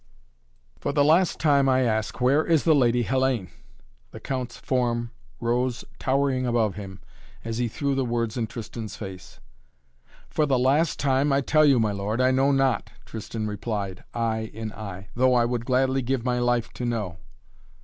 "For the last time I ask, where is the Lady Hellayne?" The Count's form rose towering above him, as he threw the words in Tristan's face. "For the last time I tell you, my lord, I know not," Tristan replied, eye in eye. "Though I would gladly give my life to know."